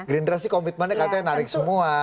green rush sih komitmennya katanya narik semua